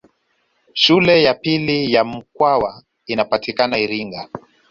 Shule ya pili ya Mkwawa inapatikana Iringa